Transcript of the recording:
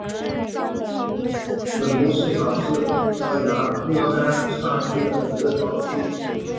本波斯塔是葡萄牙布拉干萨区的一个堂区。